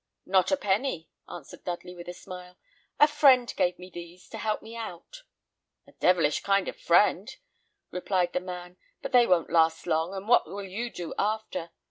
"Not a penny," answered Dudley, with a smile. "A friend gave me these things to help me on." "A devilish kind friend," replied the man; "but they won't last long, and what will you do after?